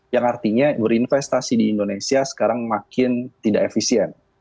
yang artinya berinvestasi di indonesia sekarang makin tidak efisien